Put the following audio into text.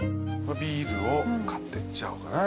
ビールを買ってっちゃおうかな。